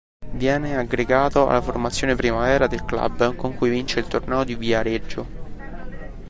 Viene aggregato alla formazione Primavera del club con cui vince il Torneo di Viareggio.